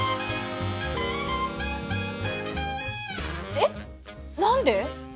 えっ何で！？